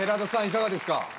いかがですか？